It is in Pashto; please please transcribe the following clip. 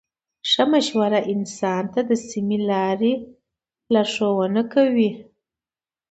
ښه مشوره انسان د سمې لارې ته لارښوونه کوي.